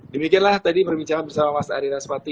demikianlah tadi berbincang bersama mas ari rasphati